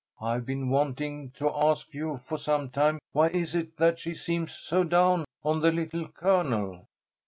I've been wanting to ask you for some time, why is it that she seems so down on the Little Colonel?"